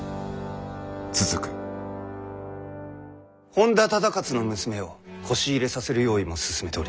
本多忠勝の娘をこし入れさせる用意も進めております。